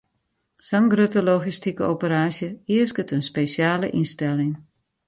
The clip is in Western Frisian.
Sa'n grutte logistike operaasje easket in spesjale ynstelling.